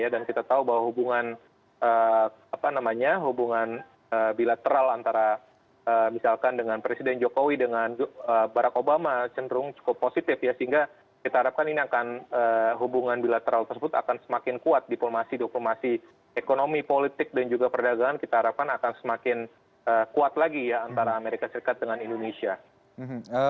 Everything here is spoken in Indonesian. dan kita tahu bahwa hubungan bilateral antara misalkan dengan presiden jokowi dengan barack obama cenderung cukup positif sehingga kita harapkan ini akan hubungan bilateral tersebut akan semakin kuat di formasi formasi ekonomi politik dan juga perdagangan kita harapkan akan semakin kuat lagi antara amerika serikat dengan indonesia